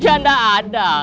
ya enggak ada